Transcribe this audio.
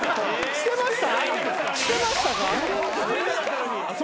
してましたか？